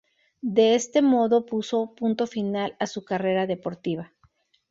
De este modo puso punto final a su carrera deportiva.